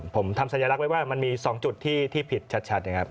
ผมทำสัญลักษณ์ไว้ว่ามันมี๒จุดที่ผิดชัดนะครับ